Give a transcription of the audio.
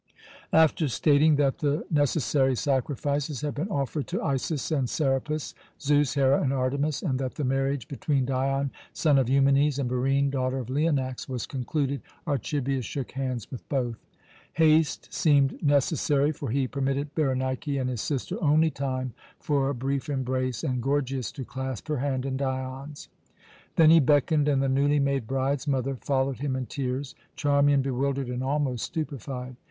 After stating that the necessary sacrifices had been offered to Isis and Serapis, Zeus, Hera, and Artemis, and that the marriage between Dion, son of Eumenes, and Barine, daughter of Leonax, was concluded, Archibius shook hands with both. Haste seemed necessary, for he permitted Berenike and his sister only time for a brief embrace, and Gorgias to clasp her hand and Dion's. Then he beckoned, and the newly made bride's mother followed him in tears, Charmian bewildered and almost stupefied.